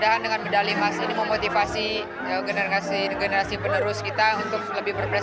semoga dengan medali emas ini memotivasi generasi generasi penerus kita untuk lebih berpengalaman